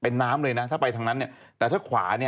ซึ่งตอน๕โมง๔๕นะฮะทางหน่วยซิวได้มีการยุติการค้นหาที่